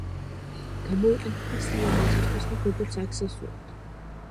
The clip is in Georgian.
გამოიყენება სილამაზისთვის ან როგორც აქსესუარი.